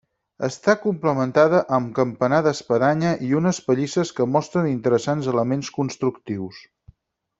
Està complementada amb campanar d'espadanya i unes pallisses que mostren interessants elements constructius.